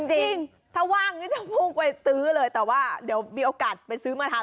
จริงถ้าว่างนี่จะพุ่งไปซื้อเลยแต่ว่าเดี๋ยวมีโอกาสไปซื้อมาทาน